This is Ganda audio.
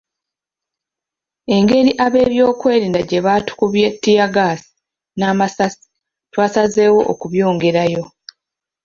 Engeri ab'ebyokwerinda gye batukubye ttiyaggaasi n'amasasi twasazewo okubyongerayo.